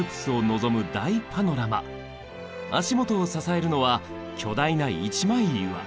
足元を支えるのは巨大な一枚岩。